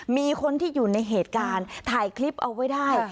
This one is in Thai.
มีคนที่อยู่ในเหตุการณ์ถ่ายคลิปเอาไว้ได้